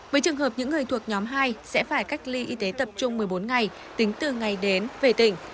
với trường hợp những người thuộc nhóm hai sẽ phải cách ly y tế tập trung một mươi bốn ngày tính từ ngày đến về tỉnh